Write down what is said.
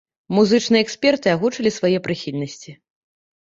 Музычныя эксперты агучылі свае прыхільнасці.